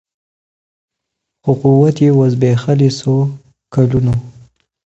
خو قوت یې وو زبېښلی څو کلونو